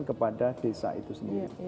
kepada desa itu sendiri